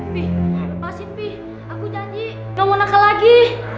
fi lepasin fi aku janji nggak mau nangkal lagi